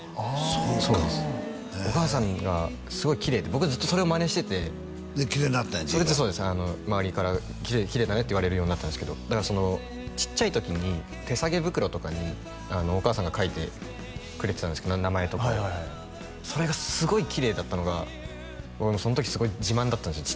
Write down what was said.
そうかそうですお母さんがすごいきれいで僕ずっとそれをマネしててできれいになったんや字がそうです周りからきれいだねって言われるようになったんですけどだからちっちゃい時に手提げ袋とかにお母さんが書いてくれてたんです名前とかをそれがすごいきれいだったのがその時すごい自慢だったんですよ